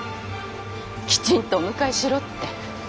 きちんとお迎えしろって。